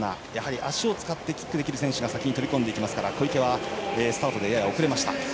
足を使ってキックできる選手が先に飛び込んでいきますから小池は、スタートでやや遅れました。